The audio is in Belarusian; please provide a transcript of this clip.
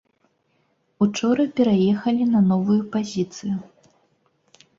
Учора пераехалі на новую пазіцыю.